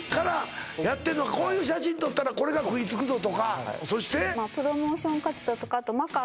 こういう写真撮ったらこれが食いつくぞとかそして？